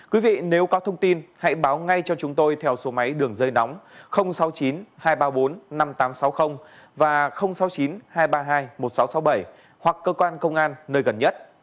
quý vị nếu có thông tin hãy báo ngay cho chúng tôi theo số máy đường dây nóng sáu mươi chín hai trăm ba mươi bốn năm nghìn tám trăm sáu mươi và sáu mươi chín hai trăm ba mươi hai một nghìn sáu trăm sáu mươi bảy hoặc cơ quan công an nơi gần nhất